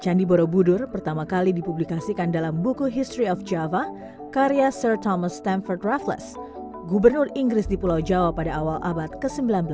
candi borobudur pertama kali dipublikasikan dalam buku history of java karya sert thomas temford raffles gubernur inggris di pulau jawa pada awal abad ke sembilan belas